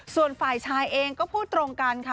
ส่วนฝ่ายชายเองก็พูดตรงกันค่ะ